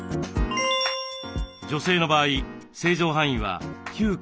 女性の場合正常範囲は９３２。